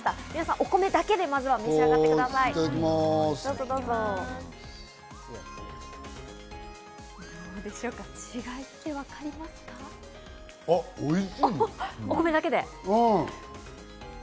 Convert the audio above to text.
皆さん、お米だけでまず、召し上がってください。